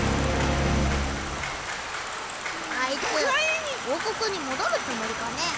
あいつ王国に戻るつもりかね？